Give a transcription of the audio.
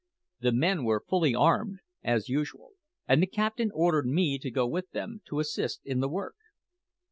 The men were fully armed, as usual; and the captain ordered me to go with them, to assist in the work.